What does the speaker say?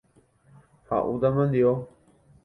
Ha'úta mandi'o.